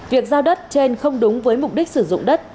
việc giao đất trên không đúng với mục đích sử dụng đất